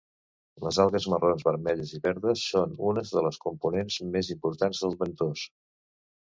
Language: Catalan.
Les algues marrons, vermelles i verdes són unes de les components més importants del bentos.